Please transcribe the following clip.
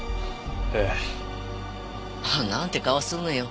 ええ。なんて顔するのよ。